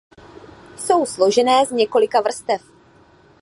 Jsou složené z několika vrstev.